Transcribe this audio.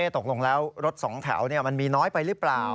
ตกลงแล้วรถสองแถวมันมีน้อยไปหรือเปล่า